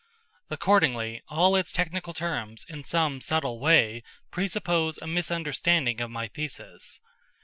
Accordingly all its technical terms in some subtle way presuppose a misunderstanding of my thesis.